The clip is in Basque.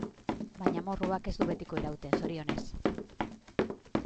Baina amorruak ez du betiko irauten, zorionez.